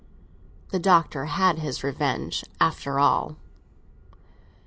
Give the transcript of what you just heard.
The Doctor had his revenge, after all.